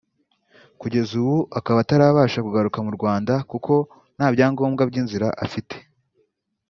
kugeza ubu akaba atarabasha kugaruka mu Rwanda kuko nta byangombwa by’inzira afite